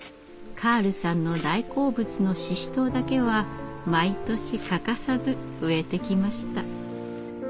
カールさんの大好物のシシトウだけは毎年欠かさず植えてきました。